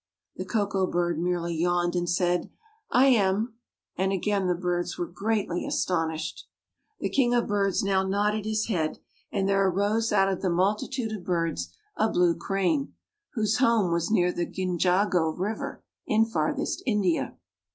The Koko bird merely yawned and said, "I am," and again the birds were greatly astonished. The king of birds now nodded his head and there arose out of the multitude of birds a blue crane, whose home was near the Gingago river in farthest India.